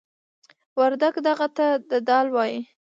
وردگ "دغه" ته "دَ" وايي.